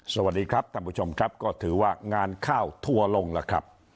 สวัสดีครับท่านผู้ชมครับก็ถือว่างานข้าวทัวร์ลงล่ะครับ